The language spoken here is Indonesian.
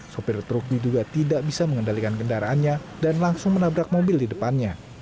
sopir truk diduga tidak bisa mengendalikan kendaraannya dan langsung menabrak mobil di depannya